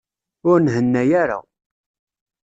Ur nhenna ara.